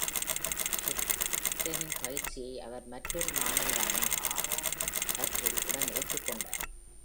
சுக்டனின் பயிற்சியை அவர் மற்றொரு மாணவரான ஆரோன் ஹர்ரில் உடன் ஏற்றுக்கொண்டார்.